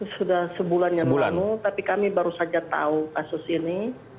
sudah sebulan yang lalu tapi kami baru saja tahu kasus ini